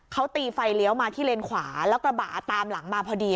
เขาตีไฟเลี้ยวมาที่เลนขวาแล้วกระบะตามหลังมาพอดี